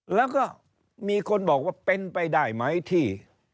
แล้วก็มีคนบอกว่าเป็นไปได้ไหมที่